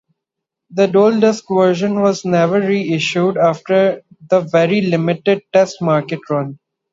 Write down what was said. The DualDisc version was never reissued after the very limited test market run.